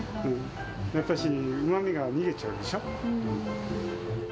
やっぱしうまみが逃げちゃうでしょ。